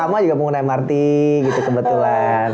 sama juga pengguna mrt gitu kebetulan